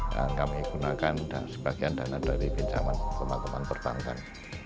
dan kami gunakan sebagian dana dari pinjaman pemakaman perbankan